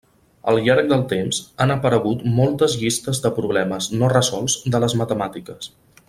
Al llarg del temps han aparegut moltes llistes de problemes no resolts de les matemàtiques.